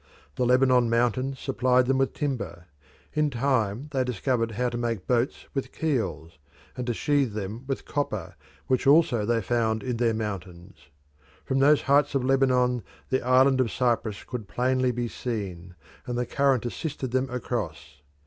The Lebanon mountains supplied them with timber; in time they discovered how to make boats with keels, and to sheathe them with copper, which also they found in their mountains. From those heights of Lebanon the island of Cyprus could plainly be seen, and the current assisted them across.